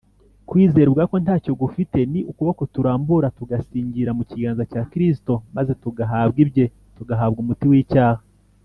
. Kwizera ubwako ntacyo gufite. Ni ukuboko turambura tugasingira mu kiganza cya Kristo, maze tugahabwa ibye, tugahabwa umuti w’icyaha